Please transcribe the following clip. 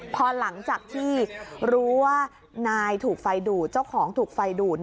พอหลังจากที่รู้ว่านายถูกไฟดูดเจ้าของถูกไฟดูด